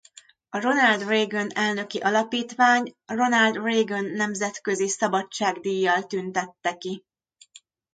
A Ronald Reagan Elnöki Alapítvány Ronald Reagan Nemzetközi Szabadság díjjal tüntette ki.